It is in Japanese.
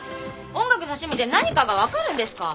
音楽の趣味で何かが分かるんですか！？